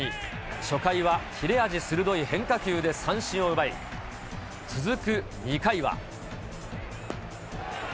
初回は切れ味鋭い変化球で三振を奪い、続く２回は。